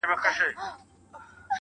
o خود به يې اغزی پرهر، پرهر جوړ کړي.